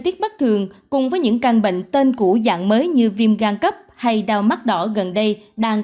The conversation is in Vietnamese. tiết bất thường cùng với những căn bệnh tên cũ dạng mới như viêm gan cấp hay đau mắt đỏ gần đây đang